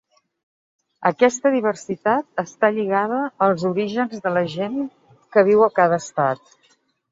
Aquesta diversitat està lligada als orígens de la gent que viu a cada estat.